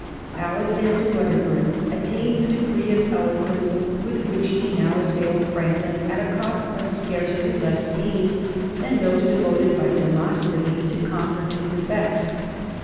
Alexander Wedderburn attained the degree of eloquence with which he now assailed Franklin at a cost of scarcely less pains than those devoted by Demosthenes to conquer his defects.